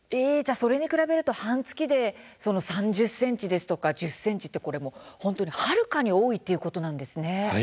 それに比べると半月で３０ｃｍですとか１０ｃｍ本当に、はるかに多いということなんですね。